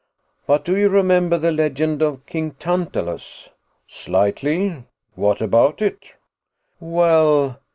"But do you remember the legend of King Tantalus?" "Slightly. What about it?" "Well